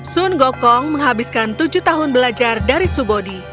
sun gokong menghabiskan tujuh tahun belajar dari subodi